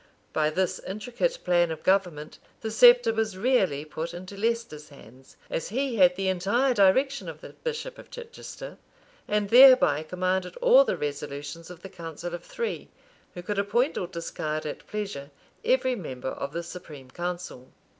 [*] By this intricate plan of government, the sceptre was really put into Leicester's hands; as he had the entire direction of the bishop of Chichester, and thereby commanded all the resolutions of the council of three, who could appoint or discard at pleasure every member of the supreme council.